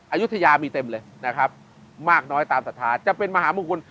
อายุทยามีเต็มเลยนะครับมากน้อยตามศรัทธาจะเป็นมหามงคล